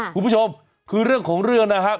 คุณผู้ชมคือเรื่องของเรื่องนะครับ